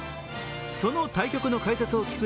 その対局の解説を聞く